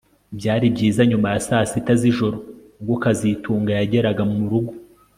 Byari byiza nyuma ya saa sita zijoro ubwo kazitunga yageraga murugo